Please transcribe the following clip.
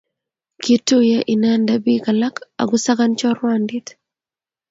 kituye inende biik alak akusakan chorwandit